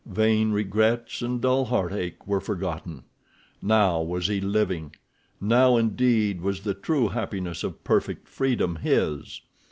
Vain regrets and dull heartache were forgotten. Now was he living. Now, indeed, was the true happiness of perfect freedom his.